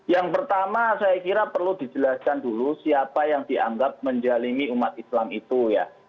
yang pertama saya kira perlu dijelaskan dulu siapa yang dianggap menjalimi umat islam itu ya